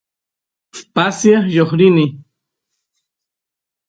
pasiaq lloqsini